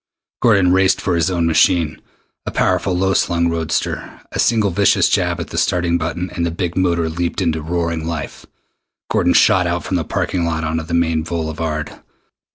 Gordon raced for his own machine, a powerful low slung roadster. A single vicious jab at the starting button, and the big motor leaped into roaring life. Gordon shot out from the parking lot onto the main boulevard.